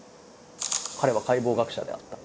彼は解剖学者であった。